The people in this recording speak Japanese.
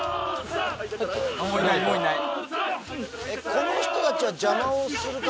・この人たちは邪魔をする係？